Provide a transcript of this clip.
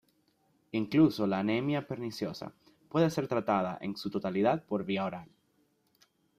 Incluso la anemia perniciosa puede ser tratada en su totalidad por vía oral.